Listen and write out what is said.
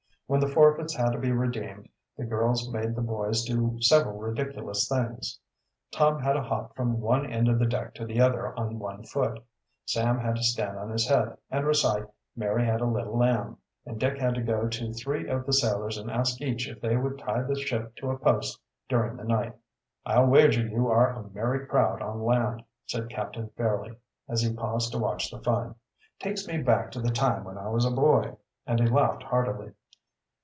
When the forfeits had to be redeemed, the girls made the boys do several ridiculous things. Tom had to hop from one end of the deck to the other on one foot, Sam had to stand on his head, and recite "Mary had a Little Lamb," and Dick had to go to three of the sailors and ask each if they would tie the ship to a post during the night. "I'll wager you are a merry crowd on land," .said Captain Fairleigh, as he paused to watch the fun. "Takes me back to the time when I was a boy," and he laughed heartily.